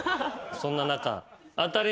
そんな中。